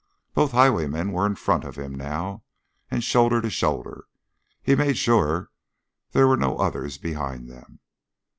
Both highwaymen were in front of him, now, and shoulder to shoulder; he made sure there were no others behind them.